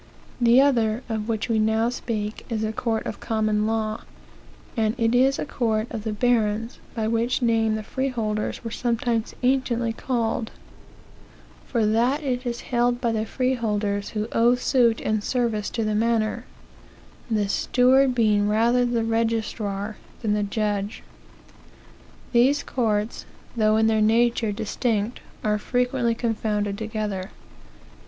The other, of which we now speak, is a court of common law, and it is a court of the barons, by which name the freeholders were sometimes anciently called; for that it is held by the freeholders who owe suit and service to th manor, the steward being rather the registrar than the judge. These courts, though in their nature distinct, are frequently confounded together.